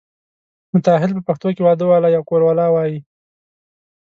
متاهل په پښتو کې واده والا یا کوروالا وایي.